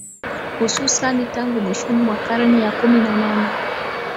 Hususani tangu mwishoni mwa karne ya kumi na nane